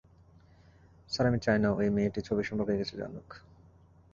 Sir, আমি চাই না ঐ মেয়েটি ছবি সম্পর্কে কিছু জানুক।